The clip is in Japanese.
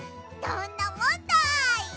どんなもんだい！